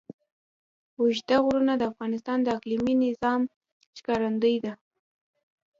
اوږده غرونه د افغانستان د اقلیمي نظام ښکارندوی ده.